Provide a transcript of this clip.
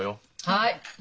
はい。